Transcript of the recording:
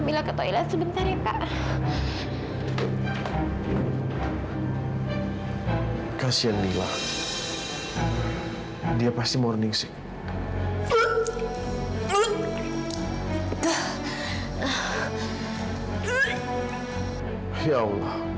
sampai jumpa di video selanjutnya